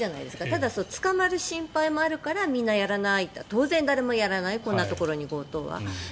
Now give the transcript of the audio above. ただ、捕まる心配があるからみんなやらない当然、誰もやらないこんなところに強盗は。